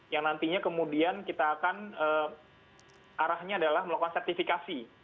yang nantinya kemudian kita akan arahnya adalah melakukan sertifikasi